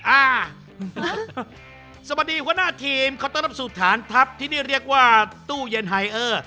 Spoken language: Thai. อ่าสวัสดีหัวหน้าทีมเขาต้อนรับสู่ฐานทัพที่นี่เรียกว่าตู้เย็นไฮเออร์